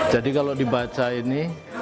jadi kalau dibaca ini